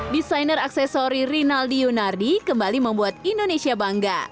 desainer aksesori rinaldi yunardi kembali membuat indonesia bangga